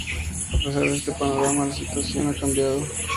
A pesar de este panorama, la situación ha cambiado.